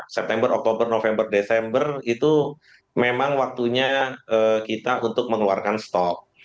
september oktober november desember itu memang waktunya kita untuk mengeluarkan stok